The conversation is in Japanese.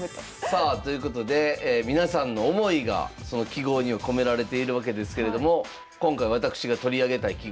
さあということで皆さんの思いがその揮毫には込められているわけですけれども今回私が取り上げたい揮毫がこちら。